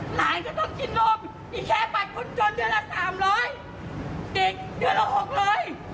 หลานยืนเดือนละ๓๐๐บาทอย่างเด็กยืน๖บาท